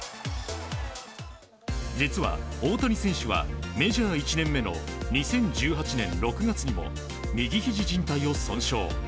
実は大谷選手はメジャー１年目の２０１８年６月にも右ひじじん帯を損傷。